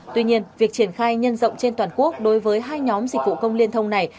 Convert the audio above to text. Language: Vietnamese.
tuy nhiên việc triển khai nhân rộng trên toàn quốc đối với hai nhóm dịch vụ công liên thông này